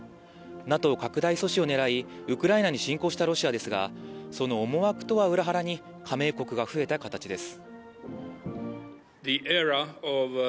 ＮＡＴＯ拡大阻止を狙い、ウクライナに侵攻したロシアですが、その思惑とは裏腹に加盟国が増えた形です。